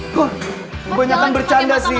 kebanyakan bercanda sih